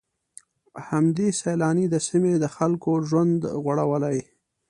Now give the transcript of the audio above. همدې سيلانۍ د سيمې د خلکو ژوند غوړولی.